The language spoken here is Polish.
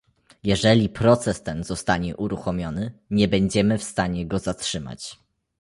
Jeżeli proces ten zostanie uruchomiony, nie będziemy w stanie go zatrzymać